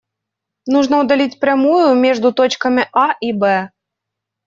Нужно удалить прямую между точками А и Б.